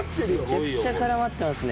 めちゃくちゃ絡まってますね。